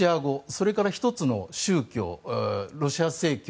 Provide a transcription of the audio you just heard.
それから１つの宗教、ロシア正教